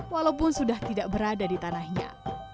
walaupun sudah tidak berada di tanahnya